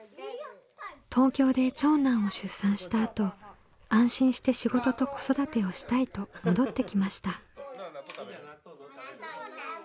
東京で長男を出産したあと安心して仕事と子育てをしたいと戻ってきました。